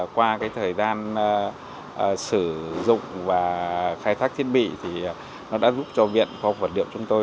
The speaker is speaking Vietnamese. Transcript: qua cái thời gian sử dụng và khai thác thiết bị thì nó đã giúp cho viện phòng vật liệu chúng tôi